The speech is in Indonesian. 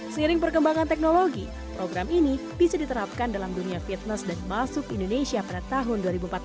seiring perkembangan teknologi program ini bisa diterapkan dalam dunia fitness dan masuk indonesia pada tahun dua ribu empat belas